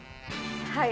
はい！